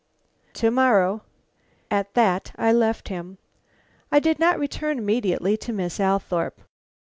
"To morrow." At that I left him. I did not return immediately to Miss Althorpe.